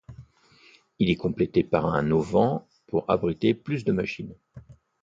Il est complété par un auvent pour abriter plus de machines.